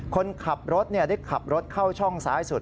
คนขับรถได้ขับรถเข้าช่องซ้ายสุด